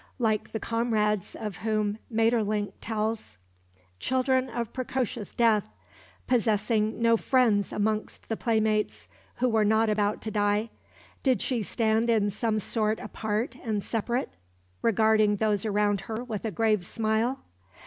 Like the comrades of whom Maeterlinck tells, "children of precocious death," possessing no friends amongst the playmates who were not about to die, did she stand in some sort apart and separate, regarding those around her with a grave smile?